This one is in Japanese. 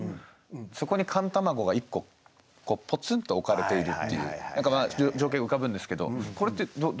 そこに寒卵が１個ポツンと置かれているっていう情景が浮かぶんですけどこれってどういう？